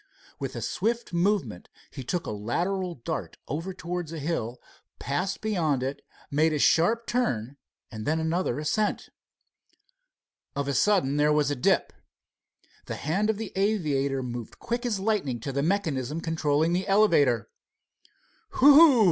With a swift movement he took a lateral dart over towards a hill, passed beyond it, made a sharp turn, and then another ascent. Of a sudden there was a dip. The hand of the aviator moved quick as lightning to the mechanism controlling the elevator. "Whew!